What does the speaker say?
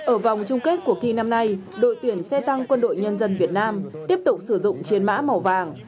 ở vòng chung kết cuộc thi năm nay đội tuyển xe tăng quân đội nhân dân việt nam tiếp tục sử dụng chiến mã màu vàng